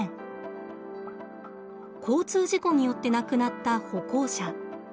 交通事故によって亡くなった歩行者。